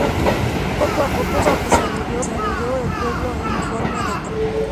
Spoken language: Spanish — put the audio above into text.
Poco a poco se desarrolló el pueblo en forma de terraza.